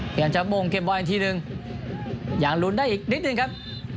อยากจะมุ่งเกมบอลอีกทีหนึ่งอยากลุ้นได้อีกนิดหนึ่งครับ